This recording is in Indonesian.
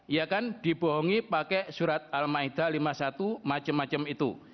ia kan dibohongi pakai surat al ma'idah yat lima puluh satu macem macem itu